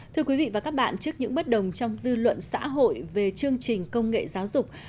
thưa quý vị và các bạn trước những bất đồng trong dư luận xã hội về chương trình công nghệ giáo dục